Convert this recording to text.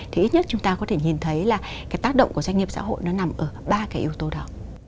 thì ít nhất chúng ta có thể nhìn thấy là cái tác động của doanh nghiệp xã hội nó nằm ở ba cái yếu tố đó